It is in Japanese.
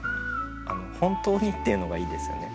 「ほんとうに」っていうのがいいですよね。